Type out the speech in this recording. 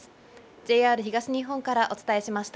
ＪＲ東日本からお伝えしました。